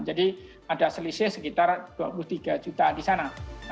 jadi ada selisih sekitar dua puluh tiga jutaan di sana